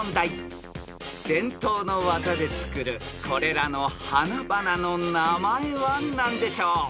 ［伝統の技で作るこれらの花々の名前は何でしょう？］